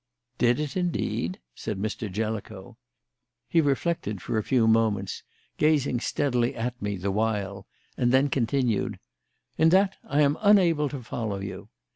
"Did it, indeed?" said Mr. Jellicoe. He reflected for a few moments, gazing steadily at me the while, and then continued: "In that I am unable to follow you.